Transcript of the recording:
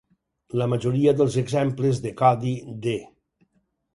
La majoria dels exemples de codi de.